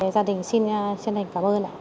gia đình xin chân thành cảm ơn